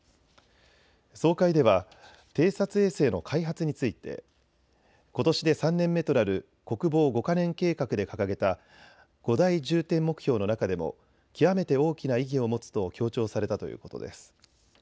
総会では偵察衛星の開発についてことしで３年目となる国防５か年計画で掲げた５大重点目標の中でも極めて大きな意義を持つと強調されたということです。